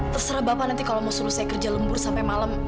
terserah bapak nanti kalau mau suruh saya kerja lembur sampai malam